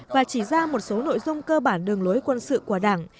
và chỉ ra một số nội dung cơ bản đường lối quân sự của đảng